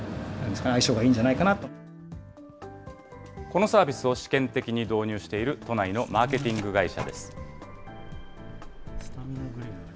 このサービスを試験的に導入している都内のマーケティング会社です。